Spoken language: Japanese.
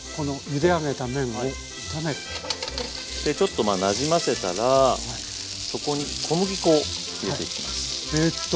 でちょっとなじませたらここに小麦粉を入れていきます。